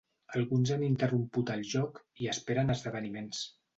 Alguns han interromput el joc i esperen esdeveniments.